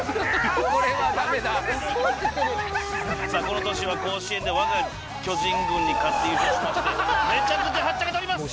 この年は甲子園でわが巨人軍に勝って優勝しましてめちゃくちゃはっちゃけております！